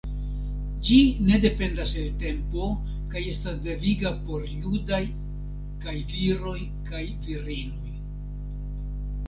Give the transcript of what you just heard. Ĝi ne dependas el tempo kaj estas deviga por judaj kaj viroj kaj virinoj.